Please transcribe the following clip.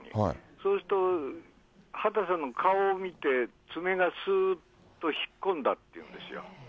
そうすると、畑さんの顔を見て、爪がすーっと引っ込んだって言うんですよ。